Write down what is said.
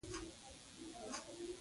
غلی، د ښې فیصلې مالک وي.